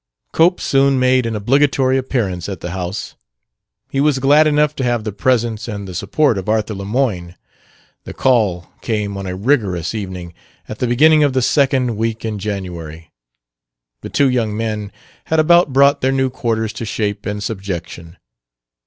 Cope soon made an obligatory appearance at the house. He was glad enough to have the presence and the support of Arthur Lemoyne. The call came on a rigorous evening at the beginning of the second week in January. The two young men had about brought their new quarters to shape and subjection.